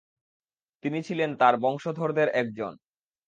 তিনি ছিলেন তার বংশধরদের একজন।